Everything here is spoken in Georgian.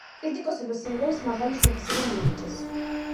კრიტიკოსებმა სიმღერას მაღალი შეფასება მიანიჭეს.